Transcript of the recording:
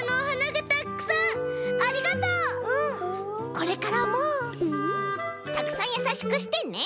これからもたくさんやさしくしてね？